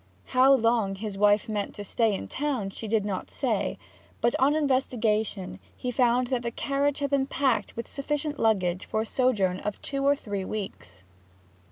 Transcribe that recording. How long his wife meant to stay in town she did not say; but on investigation he found that the carriage had been packed with sufficient luggage for a sojourn of two or three weeks.